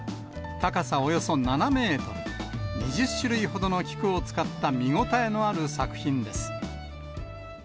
高さおよそ７メートル、２０種類ほどの菊を使った見応えのある作品です。